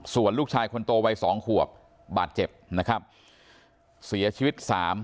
ส่วนลูกชายคนโตวัยสองขวบบาดเจ็บนะครับเสียชีวิตสาม